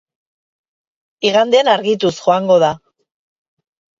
Igandean argituz joango da.